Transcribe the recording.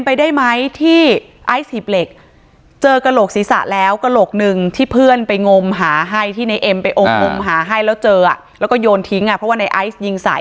ไปอมหาให้แล้วเจออ่ะแล้วก็โยนทิ้งอ่ะเพราะว่าในไอซ์ยิงใส